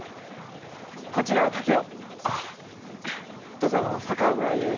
土佐の佐川村ゆう